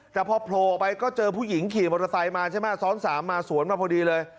แต่พอโผล่ออกไปก็เจอผู้หญิงขี่มอเตอร์ไซค์มาใช่ไหมซ้อนสามมาสวนมาพอดีเลย